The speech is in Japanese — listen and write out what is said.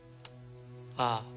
ああ